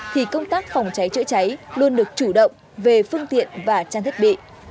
thì công tác phòng cháy chữa cháy luôn được chủ động về phương tiện và trang thiết bị